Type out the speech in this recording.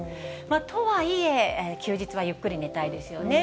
とはいえ、休日はゆっくり寝たいですよね。